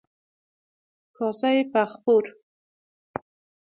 کاسه فغفور